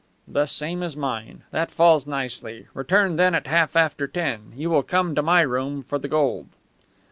"The same as mine. That falls nicely. Return then at half after ten. You will come to my room for the gold."